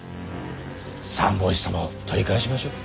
三法師様を取り返しましょう。